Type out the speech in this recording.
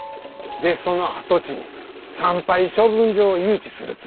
でその跡地に産廃処分場を誘致するつもりや。